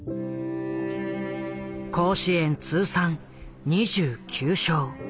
甲子園通算２９勝。